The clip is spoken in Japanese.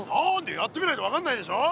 やってみないと分かんないでしょ。